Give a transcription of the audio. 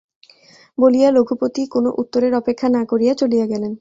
বলিয়া রঘুপতি কোনো উত্তরের অপেক্ষা না করিয়া চলিয়া গেলেন।